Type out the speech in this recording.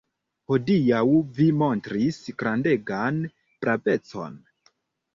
Hodiaŭ vi montris grandegan bravecon.